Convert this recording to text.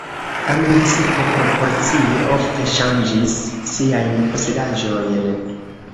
La municipo proporcie ofte ŝanĝis siajn posedaĵojn.